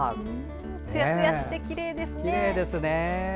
つやつやしてきれいですね。